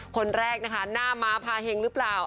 คนแรกนะคะหน้าม้าพาเห็งหรือเปล่า